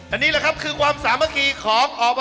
อันนี้แหละครับคือความสามัคคีของอบ